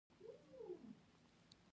دا اتوم د انیون په نوم یادیږي.